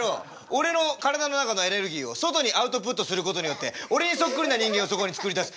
俺の体の中のエネルギーを外にアウトプットすることによって俺にそっくりな人間をそこに作り出す。